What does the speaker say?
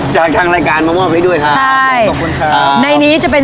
จากทางรายการมามอบให้ด้วยฮะใช่ขอบคุณครับในนี้จะเป็น